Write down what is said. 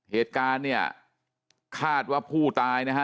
เหตุการณ์เนี่ยคาดว่าผู้ตายนะฮะ